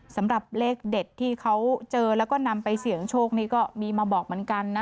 สำหรับเลขเด็ดที่เขาเจอแล้วก็นำไปเสี่ยงโชคนี่ก็มีมาบอกเหมือนกันนะ